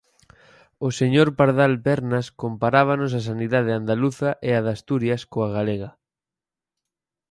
O señor Pardal Pernas comparábanos a sanidade andaluza e a de Asturias coa galega.